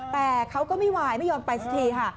แต่เขาก็ไม่วายไม่ยอมไปสักทีค่ะ